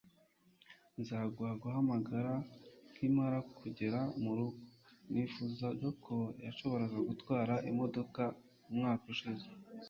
Nzaguha guhamagara nkimara kugera murugo. Nifuzaga ko yashoboraga gutwara imodoka umwaka ushize.